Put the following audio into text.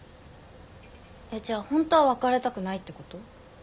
えっじゃあ本当は別れたくないってこと？